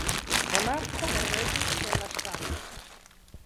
Monarko regis en la ŝtato.